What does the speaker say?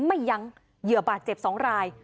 ไม่ยั้งเหยื่อบาดเจ็บ๒ราย